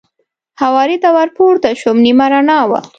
هوارې ته ور پورته شوم، نیمه رڼا وه.